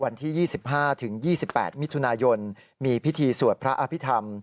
วันที่๒๕๒๘มิถุนายนมีพิธีสวดพระอภิษฐรรม